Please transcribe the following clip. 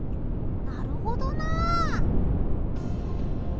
なるほどなあ。